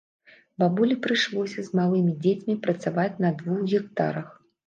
Бабулі прыйшлося з малымі дзецьмі працаваць на двух гектарах.